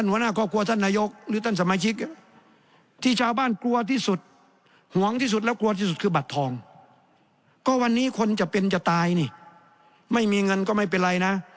ว่าวันนี้คนจะเป็นจะตายนี่ไม่มีเงินก็ไม่เป็นไรนะ